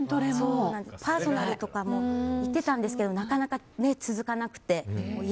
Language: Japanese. パーソナルも行ってたんですがなかなか続かなくて。